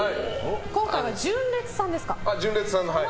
今回は純烈さんですか。